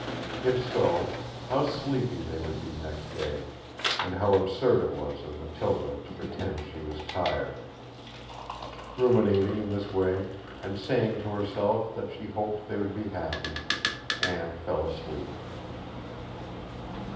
If so, how sleepy they would be next day, and how absurd it was of Matilda to pretend she was tired! Ruminating in this way, and saying to herself that she hoped they would be happy, Anne fell asleep.